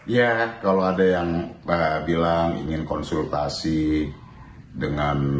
ya kalau ada yang bilang ingin konsultasi dengan